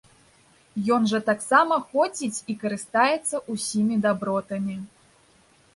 Ён жа таксама ходзіць і карыстаецца ўсімі дабротамі.